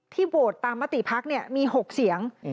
ที่โหวตตามมติภักดิ์มี๖เสียง